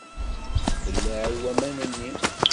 Belleɛ i waman-nni!